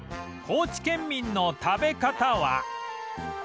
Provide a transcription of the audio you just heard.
高知県民の食べ方は